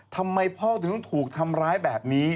ทำไมพ่อถึงถูกทำร้ายแบบนี้